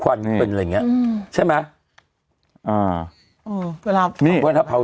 วันเป็นอะไรอย่างเงี้ยอืมใช่ไหมอ่าอ๋อเวลานี่เวลาเผา